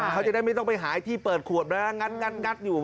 เขาจะได้ไม่ต้องไปหาที่เปิดขวดมางัดอยู่